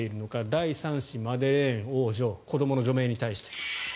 第３子、マデレーン王女子どもの除名に対して。